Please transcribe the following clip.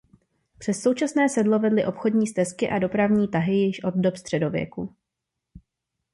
Přes současné sedlo vedly obchodní stezky a dopravní tahy již od dob středověku.